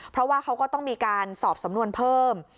เพราะว่าเขาก็ต้องมีการสอบสำนวนเพิ่ม